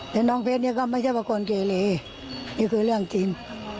แต่น้องเพชรเนี่ยก็ไม่ใช่ว่าคนเกเลนี่คือเรื่องจริง